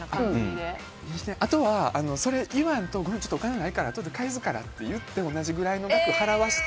あとは、それ言わんとちょっとお金ないからあとで返すからって同じ額払わせて。